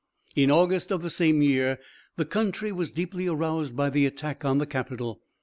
In August of the same year the country was deeply aroused by the attack on the capitol.